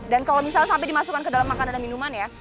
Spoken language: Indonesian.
dan kalau misalnya sampai dimasukkan ke dalam makanan dan minuman ya